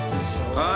はい。